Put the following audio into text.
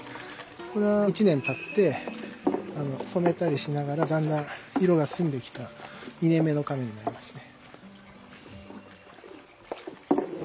これは１年たって染めたりしながらだんだん色が澄んできた２年目のかめになりますね。